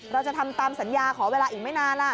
เราจะทำตามสัญญาขอเวลาอีกไม่นานล่ะ